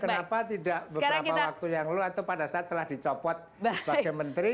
kenapa tidak beberapa waktu yang lalu atau pada saat setelah dicopot sebagai menteri